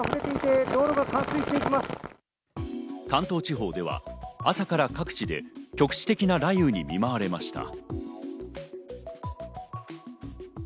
関東地方では朝から各地で局地的な雷雨に見舞われました。